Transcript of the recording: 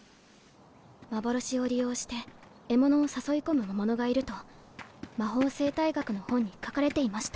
幻を利用して獲物を誘い込む魔物がいると魔法生態学の本に書かれていました。